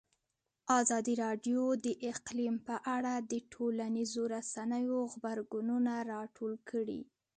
ازادي راډیو د اقلیم په اړه د ټولنیزو رسنیو غبرګونونه راټول کړي.